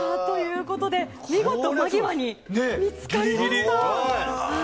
見事、間際に見つかりました。